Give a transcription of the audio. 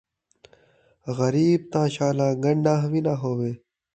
غریب تاں شالا گݙان٘ھ وی ناں ہووے